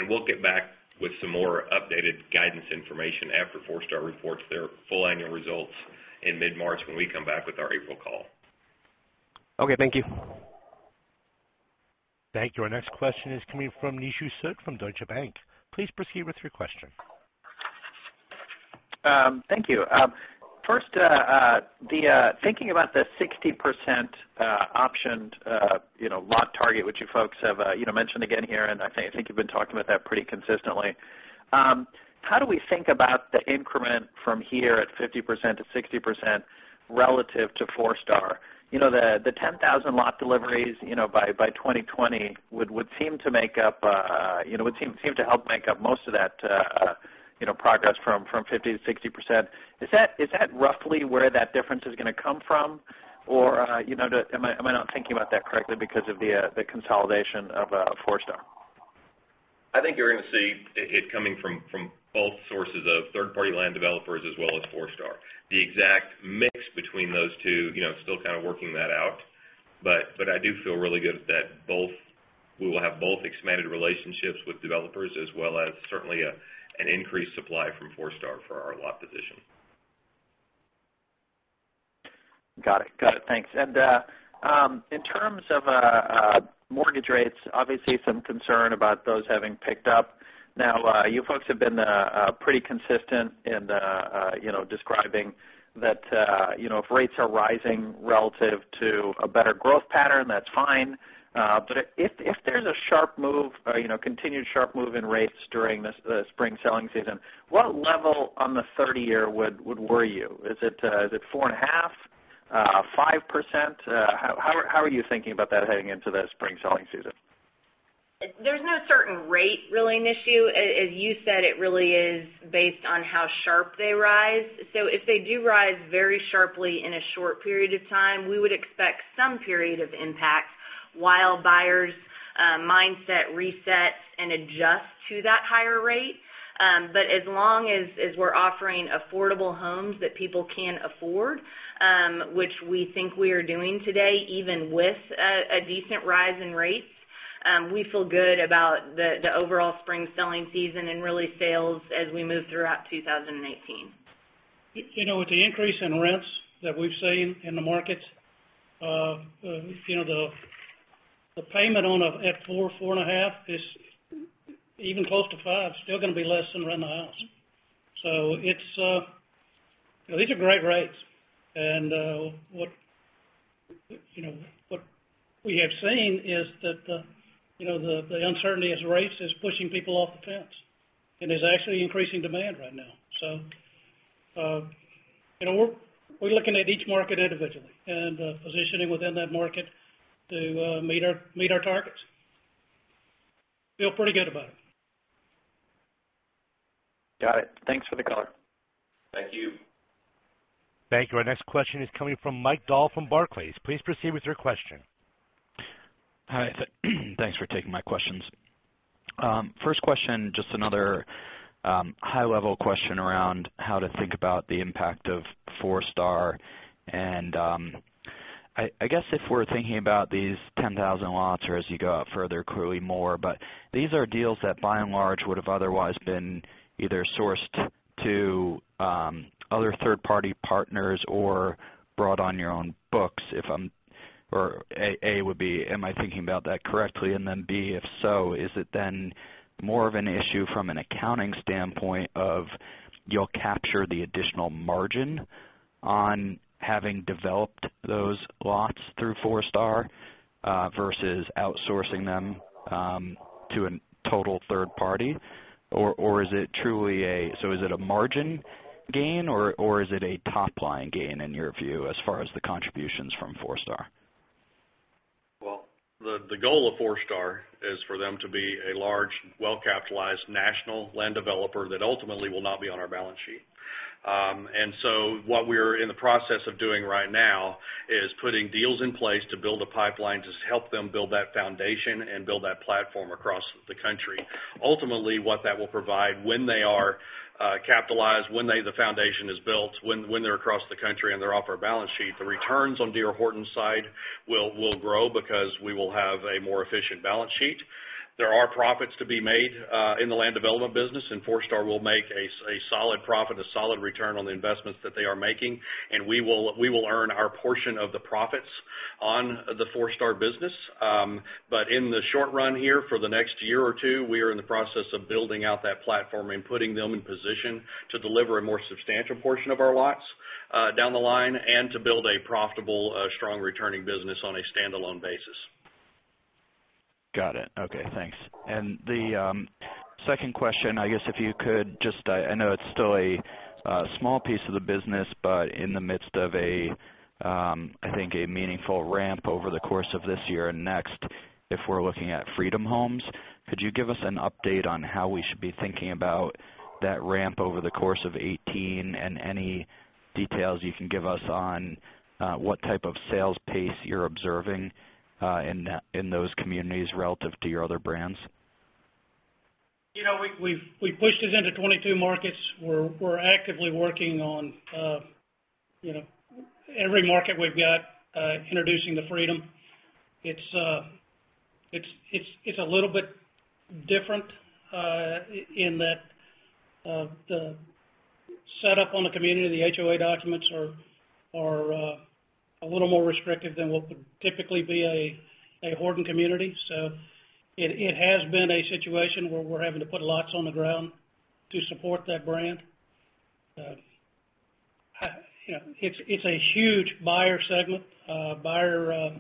We'll get back with some more updated guidance information after Forestar reports their full annual results in mid-March when we come back with our April call. Okay. Thank you. Thank you. Our next question is coming from Nishu Sood from Deutsche Bank. Please proceed with your question. Thank you. First, thinking about the 60% optioned lot target, which you folks have mentioned again here, and I think you've been talking about that pretty consistently. How do we think about the increment from here at 50% to 60% relative to Forestar? The 10,000 lot deliveries by 2020 would seem to help make up most of that progress from 50% to 60%. Is that roughly where that difference is going to come from? Am I not thinking about that correctly because of the consolidation of Forestar? I think you're going to see it coming from both sources of third-party land developers as well as Forestar. The exact mix between those two, still kind of working that out, but I do feel really good that we will have both expanded relationships with developers as well as certainly an increased supply from Forestar for our lot position. Got it. Thanks. In terms of mortgage rates, obviously some concern about those having picked up. You folks have been pretty consistent in describing that if rates are rising relative to a better growth pattern, that is fine. If there is a continued sharp move in rates during the spring selling season, what level on the 30-year would worry you? Is it 4.5%, 5%? How are you thinking about that heading into the spring selling season? There is no certain rate, really, Nishu. As you said, it really is based on how sharp they rise. If they do rise very sharply in a short period of time, we would expect some period of impact while buyers' mindset resets and adjusts to that higher rate. As long as we are offering affordable homes that people can afford, which we think we are doing today, even with a decent rise in rates, we feel good about the overall spring selling season and really sales as we move throughout 2019. With the increase in rents that we have seen in the markets, the payment at 4%, 4.5%, even close to 5%, still going to be less than rent a house. These are great rates, what we have seen is that the uncertainty as rates is pushing people off the fence and is actually increasing demand right now. We are looking at each market individually and positioning within that market to meet our targets. Feel pretty good about it. Got it. Thanks for the color. Thank you. Thank you. Our next question is coming from Mike Dahl from Barclays. Please proceed with your question. Hi. Thanks for taking my questions. First question, just another high-level question around how to think about the impact of Forestar, and I guess if we're thinking about these 10,000 lots, or as you go out further, clearly more, but these are deals that by and large would have otherwise been either sourced to other third-party partners or brought on your own books. A, would be, am I thinking about that correctly? B, if so, is it then more of an issue from an accounting standpoint of you'll capture the additional margin on having developed those lots through Forestar versus outsourcing them to a total third party? Or is it a margin gain, or is it a top-line gain in your view, as far as the contributions from Forestar? Well, the goal of Forestar is for them to be a large, well-capitalized national land developer that ultimately will not be on our balance sheet. Okay. What we're in the process of doing right now is putting deals in place to build a pipeline to help them build that foundation and build that platform across the country. Ultimately, what that will provide when they are capitalized, when the foundation is built, when they're across the country and they're off our balance sheet, the returns on D.R. Horton's side will grow because we will have a more efficient balance sheet. There are profits to be made in the land development business, and Forestar will make a solid profit, a solid return on the investments that they are making. We will earn our portion of the profits on the Forestar business. In the short run here, for the next year or two, we are in the process of building out that platform and putting them in position to deliver a more substantial portion of our lots down the line, and to build a profitable, strong returning business on a standalone basis. Got it. Okay, thanks. The second question, I guess if you could just, I know it's still a small piece of the business, but in the midst of, I think, a meaningful ramp over the course of this year and next, if we're looking at Freedom Homes, could you give us an update on how we should be thinking about that ramp over the course of 2018, and any details you can give us on what type of sales pace you're observing in those communities relative to your other brands? We pushed this into 22 markets. We're actively working on every market we've got, introducing the Freedom. It's a little bit different in that the set-up on the community, the HOA documents are a little more restrictive than what would typically be a Horton community. It has been a situation where we're having to put lots on the ground to support that brand. It's a huge buyer segment, buyer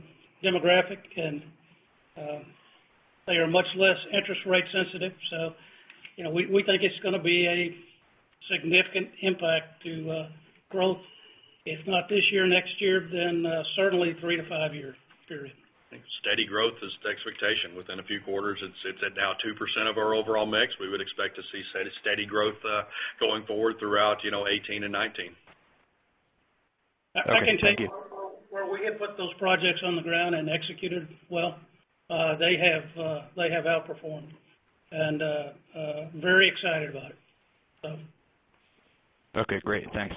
demographic, and they are much less interest-rate sensitive. We think it's going to be a significant impact to growth, if not this year, next year, then certainly three- to five-year period. Steady growth is the expectation within a few quarters. It's at now 2% of our overall mix. We would expect to see steady growth going forward throughout 2018 and 2019. Okay. Thank you. I can tell you, where we have put those projects on the ground and executed well, they have outperformed, and very excited about it. Okay, great. Thanks.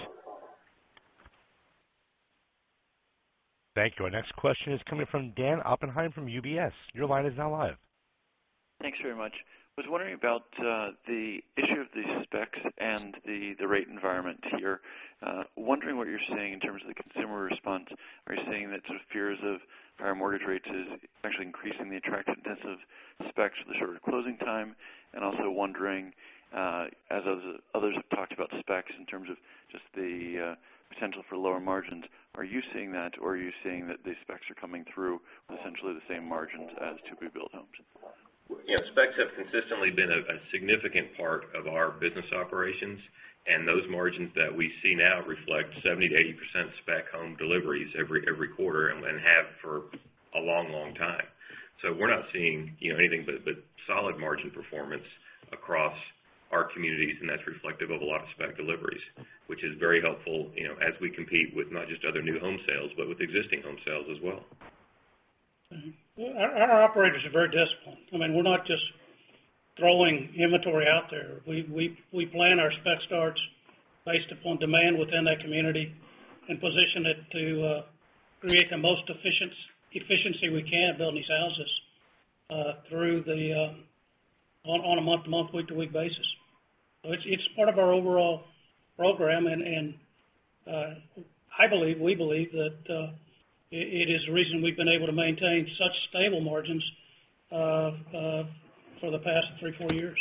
Thank you. Our next question is coming from Dan Oppenheim from UBS. Your line is now live. Thanks very much. Was wondering about the issue of the specs and the rate environment here. Wondering what you're seeing in terms of the consumer response. Are you seeing that sort of fears of higher mortgage rates is actually increasing the attractiveness of specs for the shorter closing time? Also wondering, as others have talked about specs in terms of just the potential for lower margins, are you seeing that, or are you seeing that the specs are coming through with essentially the same margins as typically built homes? Specs have consistently been a significant part of our business operations, those margins that we see now reflect 70%-80% spec home deliveries every quarter and have for a long time. We're not seeing anything but solid margin performance across our communities, and that's reflective of a lot of spec deliveries, which is very helpful as we compete with not just other new home sales, but with existing home sales as well. Our operators are very disciplined. We're not just throwing inventory out there. We plan our spec starts based upon demand within that community and position it to create the most efficiency we can building these houses on a month-to-month, week-to-week basis. It's part of our overall program, and I believe, we believe, that it is the reason we've been able to maintain such stable margins for the past three, four years.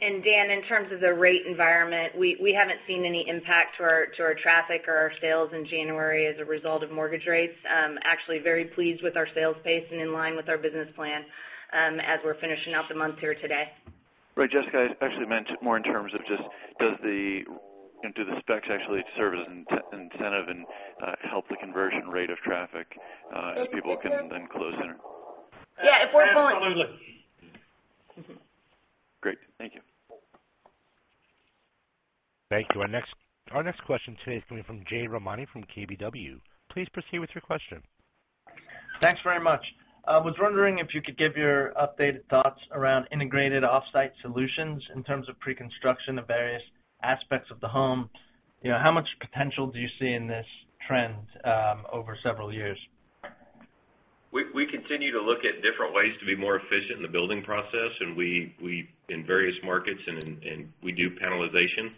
Dan, in terms of the rate environment, we haven't seen any impact to our traffic or our sales in January as a result of mortgage rates. Actually very pleased with our sales pace and in line with our business plan as we're finishing out the month here today. Right. Jessica, I actually meant more in terms of just do the specs actually serve as an incentive and help the conversion rate of traffic if people can then close sooner? Yeah. If we're pulling. Absolutely. Great. Thank you. Thank you. Our next question today is coming from Jade Rahmani from KBW. Please proceed with your question. Thanks very much. I was wondering if you could give your updated thoughts around integrated off-site solutions in terms of pre-construction of various aspects of the home. How much potential do you see in this trend over several years? We continue to look at different ways to be more efficient in the building process, in various markets, and we do panelization.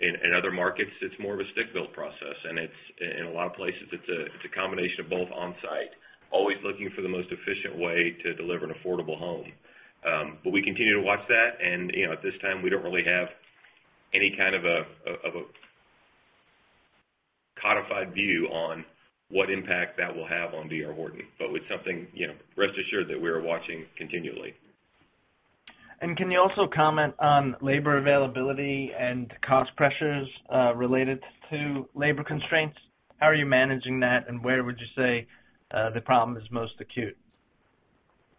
In other markets, it's more of a stick-build process, and in a lot of places, it's a combination of both on-site. Always looking for the most efficient way to deliver an affordable home. We continue to watch that, and at this time, we don't really have any kind of a codified view on what impact that will have on D.R. Horton. It's something, rest assured, that we are watching continually. Can you also comment on labor availability and cost pressures related to labor constraints? How are you managing that, and where would you say the problem is most acute?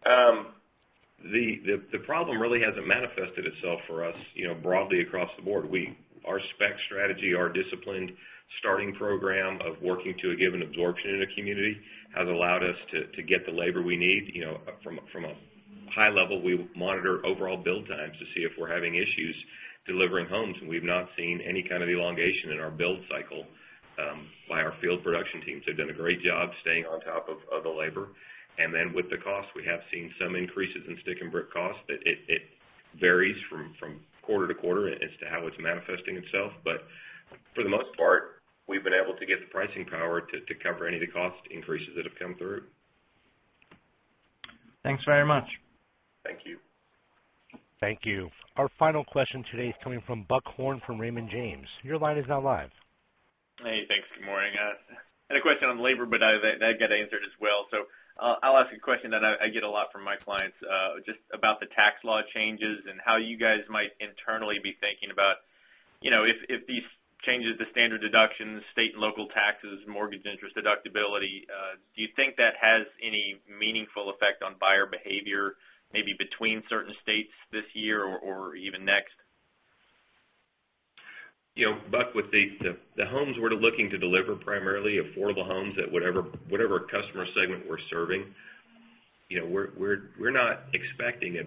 The problem really hasn't manifested itself for us broadly across the board. Our spec strategy, our disciplined starting program of working to a given absorption in a community has allowed us to get the labor we need. From a high level, we monitor overall build times to see if we're having issues delivering homes, and we've not seen any kind of elongation in our build cycle by our field production teams. They've done a great job staying on top of the labor. With the cost, we have seen some increases in stick and brick cost. It varies from quarter to quarter as to how it's manifesting itself. For the most part, we've been able to get the pricing power to cover any of the cost increases that have come through. Thanks very much. Thank you. Thank you. Our final question today is coming from Buck Horne from Raymond James. Your line is now live. Thanks. Good morning. I had a question on labor, but that got answered as well. I'll ask a question that I get a lot from my clients, just about the tax law changes and how you guys might internally be thinking about if these changes, the standard deductions, state and local taxes, mortgage interest deductibility, do you think that has any meaningful effect on buyer behavior, maybe between certain states this year or even next? Buck, with the homes we're looking to deliver primarily, affordable homes at whatever customer segment we're serving, we're not expecting a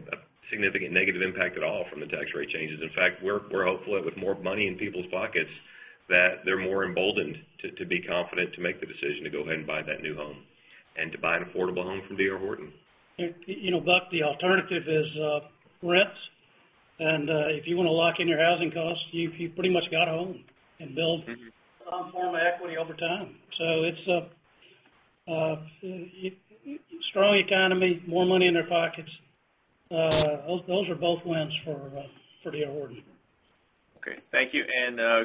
significant negative impact at all from the tax rate changes. In fact, we're hopeful that with more money in people's pockets, that they're more emboldened to be confident to make the decision to go ahead and buy that new home and to buy an affordable home from D.R. Horton. Buck, the alternative is rents, and if you want to lock in your housing costs, you've pretty much got to own and build some form of equity over time. It's a strong economy, more money in their pockets. Those are both wins for D.R. Horton. Okay. Thank you.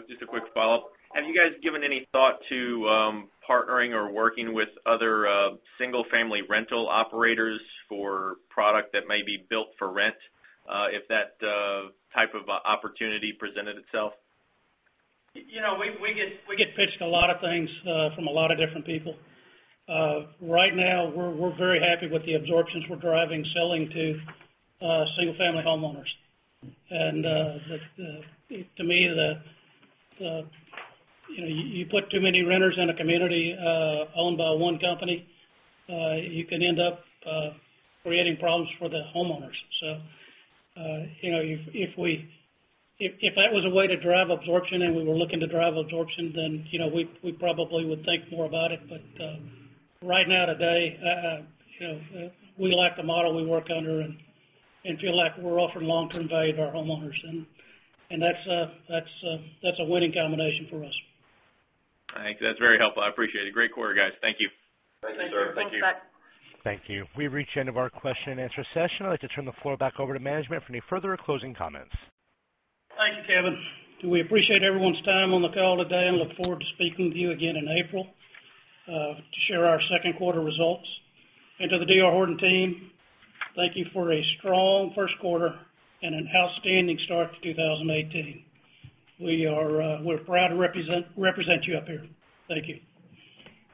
Just a quick follow-up. Have you guys given any thought to partnering or working with other single-family rental operators for product that may be built for rent if that type of opportunity presented itself? We get pitched a lot of things from a lot of different people. Right now, we're very happy with the absorptions we're driving selling to single-family homeowners. To me, you put too many renters in a community owned by one company, you can end up creating problems for the homeowners. If that was a way to drive absorption and we were looking to drive absorption, then we probably would think more about it. Right now today, we like the model we work under and feel like we're offering long-term value to our homeowners, and that's a winning combination for us. All right. That's very helpful. I appreciate it. Great quarter, guys. Thank you. Thank you, sir. Thank you. Thank you. We've reached the end of our question and answer session. I'd like to turn the floor back over to management for any further closing comments. Thank you, Kevin. We appreciate everyone's time on the call today and look forward to speaking with you again in April to share our second-quarter results. To the D.R. Horton team, thank you for a strong first quarter and an outstanding start to 2018. We're proud to represent you up here. Thank you.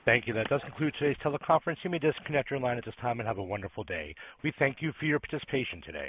Thank you. That does conclude today's teleconference. You may disconnect your line at this time, and have a wonderful day. We thank you for your participation today.